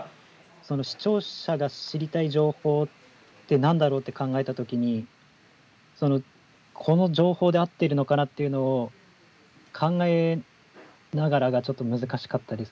その、視聴者が知りたい情報って何だろうと考えたときにこの情報で合っているのかなっていうのを、考えながらがちょっと難しかったです。